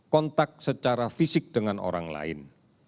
kontak secara fisik dengan orang lain